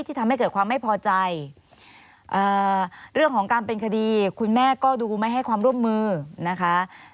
ทำให้เกิดความไม่พอใจเรื่องของการเป็นคดีคุณแม่ก็ดูไม่ให้ความร่วมมือนะคะ